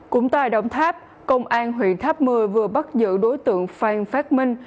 cũng tại đồng tháp công an huyện tháp mưa vừa bắt giữ đối tượng phan phát minh